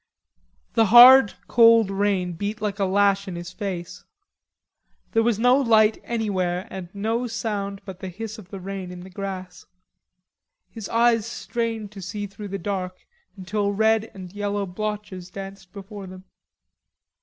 The hard cold rain beat like a lash in his; face. There was no light anywhere and no sound but the hiss of the rain in the grass. His eyes strained to see through the dark until red and yellow blotches danced before them.